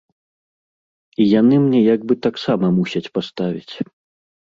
І яны мне як бы таксама мусяць паставіць.